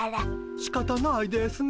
しかたないですね。